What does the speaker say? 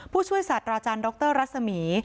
ผู้ช่วยศาสตราจารย์ดรรัศมี